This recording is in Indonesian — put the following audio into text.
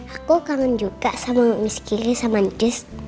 aku kangen juga sama miss kiri sama njus